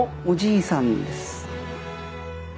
おじいさんです。